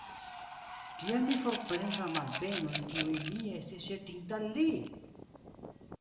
Kiel mi forprenis la malbenojn, kiujn mi estis ĵetinta al li!